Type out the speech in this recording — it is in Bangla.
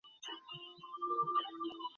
ধুলাবালিতে অ্যালার্জি আছে?